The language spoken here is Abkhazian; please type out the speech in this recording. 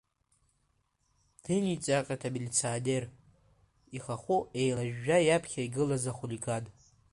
Дыниҵаҟьеит амилиционер, ихахәы еилажәжәа иаԥхьа игылаз ахулиган.